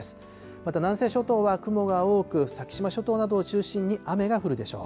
また南西諸島は雲が多く、先島諸島などを中心に雨が降るでしょう。